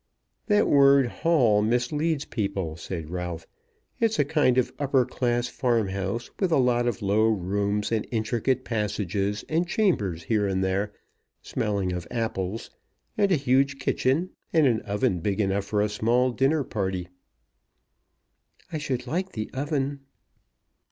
"That word Hall misleads people," said Ralph. "It's a kind of upper class farm house with a lot of low rooms, and intricate passages, and chambers here and there, smelling of apples, and a huge kitchen, and an oven big enough for a small dinner party." "I should like the oven."